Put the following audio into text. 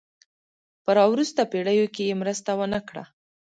په را وروسته پېړیو کې یې مرسته ونه کړه.